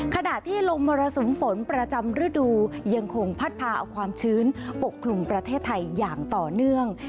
ขณะที่ลมมรสุมฝนประจำฤดูยังคงพัดพาเอาความชื้นปกคลุมประเทศไทยอย่างต่อเนื่อง